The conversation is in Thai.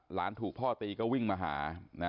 หลานถูกพ่อตีก็วิ่งมาหา